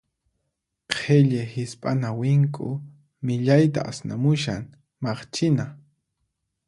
Qhilli hisp'ana winku millayta asnamushan, maqchina.